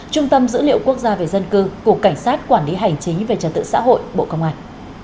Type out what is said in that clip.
trung tâm dữ liệu quốc gia về dân cư cục cảnh sát quản lý hành chính về trật tự xã hội bộ công an